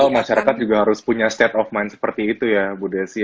masyarakat juga harus punya state of mind seperti itu ya bu desi